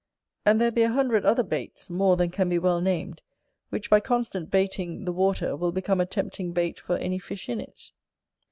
And there be a hundred other baits, more than can be well named, which, by constant baiting the water, will become a tempting bait for any fish in it.